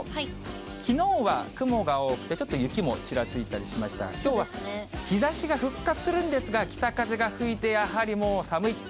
きのうは雲が多くて、ちょっと雪もちらついたりしましたが、きょうは日ざしが復活するんですが、北風が吹いて、やはりもう寒い。